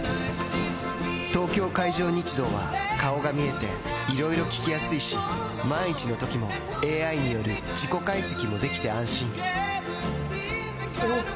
東京海上日動は顔が見えていろいろ聞きやすいし万一のときもＡＩによる事故解析もできて安心おぉ！